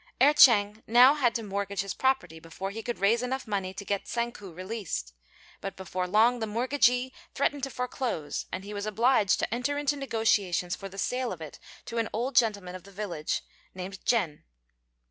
Erh ch'êng had now to mortgage his property before he could raise enough money to get Tsang ku released; but before long the mortgagee threatened to foreclose, and he was obliged to enter into negotiations for the sale of it to an old gentleman of the village named Jen.